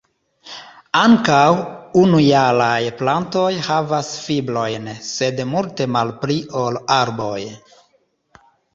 Ankaŭ unujaraj plantoj havas fibrojn, sed multe malpli ol arboj.